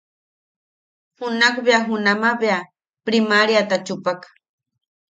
Junakbea junama bea priMaríata chupak.